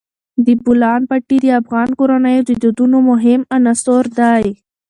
د بولان پټي د افغان کورنیو د دودونو مهم عنصر دی.